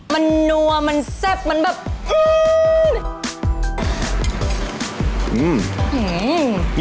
มันนัวมันแซ่บมันแบบ